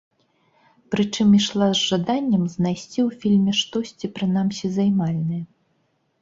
Прычым ішла з жаданнем знайсці ў фільме штосьці, прынамсі, займальнае.